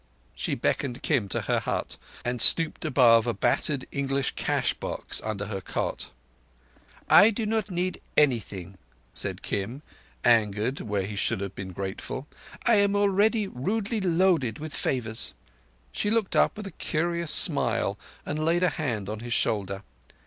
She beckoned Kim to her hut, and stooped above a battered English cash box under her cot. "I do not need anything," said Kim, angered where he should have been grateful. "I am already rudely loaded with favours." She looked up with a curious smile and laid a hand on his shoulder.